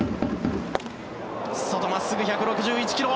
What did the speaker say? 外真っすぐ１６１キロ。